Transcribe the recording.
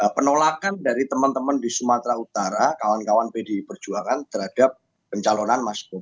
penolakan dari teman teman di sumatera utara kawan kawan pdi perjuangan terhadap pencalonan mas